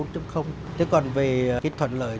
chứ còn về cái thuận lợi